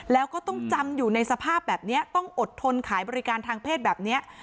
แล้วก็ต้องจำอยู่ในสภาพแบบนี้ต้องอดทนขายบริการทางเพศแบบนี้